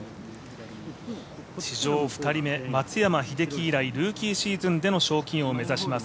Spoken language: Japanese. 史上２人目、松山英樹以来ルーキーシーズンでの賞金王を目指します。